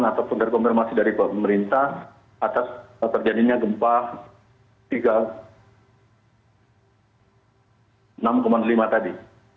laporan atau penderkomunikasi dari pemerintah atas terjadinya gempa enam lima tadi